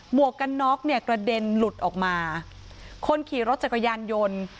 วกกันน็อกเนี่ยกระเด็นหลุดออกมาคนขี่รถจักรยานยนต์